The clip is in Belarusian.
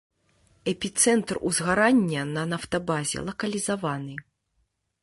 Эпіцэнтр узгарання на нафтабазе лакалізаваны.